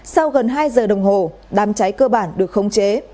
sau gần hai giờ đồng hồ đám cháy cơ bản được khống chế